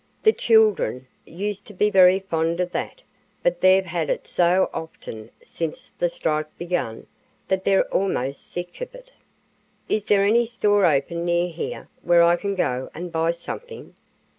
The children used to be very fond of that, but they've had it so often since the strike began, that they're almost sick of it." "Is there any store open near here where I can go and buy something?"